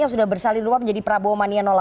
yang sudah bersalin luar menjadi prabowo mania delapan